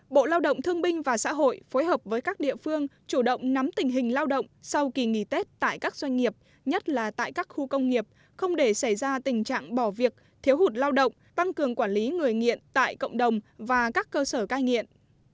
bộ lao động thương binh và xã hội phối hợp với các địa phương chủ động nắm tình hình lao động sau kỳ nghỉ tết tại các doanh nghiệp nhất là tại các khu công nghiệp không để xảy ra tình trạng bỏ việc thiếu hụt lao động tăng cường quản lý người nghiện tại cộng đồng và các cơ sở cai nghiện